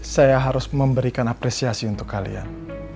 saya harus memberikan apresiasi untuk kalian